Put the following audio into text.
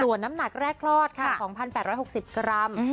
ตัวน้ำหนักแรกรอดค่ะของ๑๘๖๐กรัม